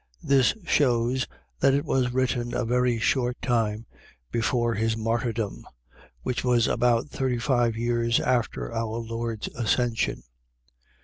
This shews, that it was written a very short time before his martyrdom, which was about thirty five years after our Lord's Ascension.